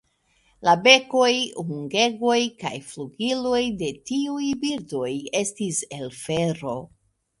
La bekoj, ungegoj kaj flugiloj de tiuj birdoj estis el fero.